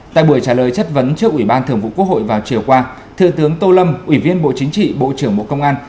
tại buổi trả lời chất vấn trước ủy ban thường vụ quốc hội vào chiều qua thượng tướng tô lâm ủy viên bộ chính trị bộ trưởng bộ công an